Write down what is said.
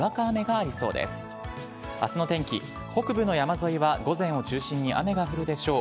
あすの天気、北部の山沿いは午前を中心に雨が降るでしょう。